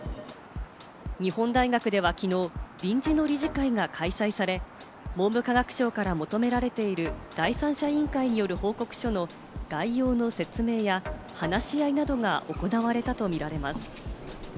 日本大学ではきのう、臨時の理事会が開催され、文部科学省から求められている第三者委員会による報告書の概要の説明や話し合いなどが行われたと見られます。